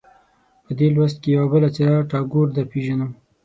په دې لوست کې یوه بله څېره ټاګور درپېژنو.